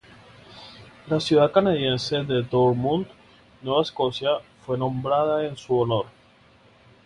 La ciudad canadiense de Dartmouth, Nueva Escocia, fue nombrada en su honor.